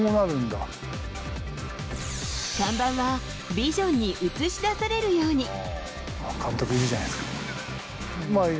看板はビジョンに映し出されるように。